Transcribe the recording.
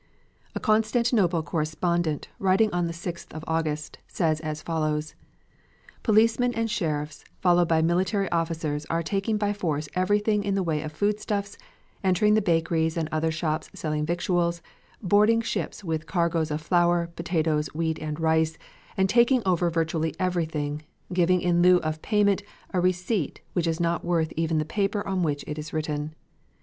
A Constantinople correspondent, writing on the 6th of August, says as follows; "Policemen and sheriffs followed by military officers are taking by force everything in the way of foodstuffs, entering the bakeries and other shops selling victuals, boarding ships with cargoes of flour, potatoes, wheat and rice, and taking over virtually everything, giving in lieu of payment a receipt which is not worth even the paper on which it is written.